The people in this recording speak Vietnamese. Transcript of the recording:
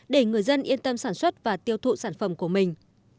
để người dân yên tâm sản xuất và tiêu thụ sản phẩm của mình